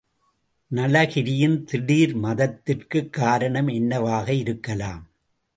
நளகிரியின் திடீர் மதத்திற்குக் காரணம் என்னவாக இருக்கலாம்?